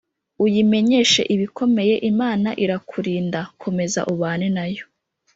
Uyimenyeshe ibikomeye imana irakurinda ,komeza ubane nayo